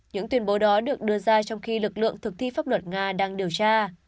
những tuyên bố đó được đưa ra trong khi lực lượng thực thi pháp luật nga đang điều tra